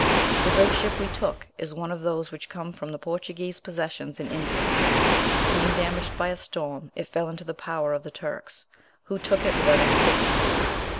The great ship we took, is one of those which come from the Portuguese possessions in India; being damaged by a storm, it fell into the power of the Turks, who took it without any difficulty.